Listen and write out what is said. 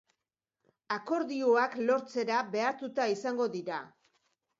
Akordioak lortzera behartuta izango dira.